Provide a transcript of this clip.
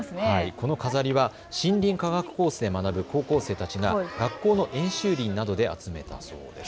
この飾りや森林科学コースで学ぶ高校生たちが学校の演習林などで集めたそうです。